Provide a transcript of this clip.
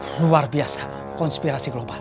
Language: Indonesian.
luar biasa konspirasi global